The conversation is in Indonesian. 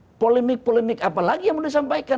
jadi polemik polemik apa lagi yang mau disampaikan